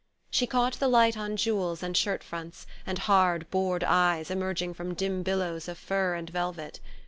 She caught the light on jewels and shirt fronts and hard bored eyes emerging from dim billows of fur and velvet.